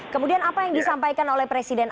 kemudian apa yang disampaikan oleh presiden